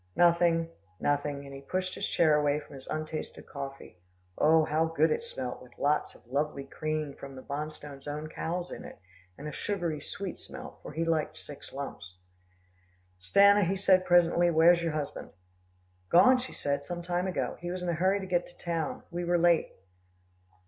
"Nothing, nothing," and he pushed his chair away from his untasted coffee Oh! how good it smelt, with lots of lovely cream from the Bonstones' own cows in it, and a sugary sweet smell, for he liked six lumps. "Stanna," he said presently, "where's your husband?" "Gone," she said, "some time ago. He was in a hurry to get to town. We were late."